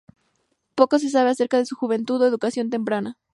Poco se sabe acerca de su juventud o educación temprana.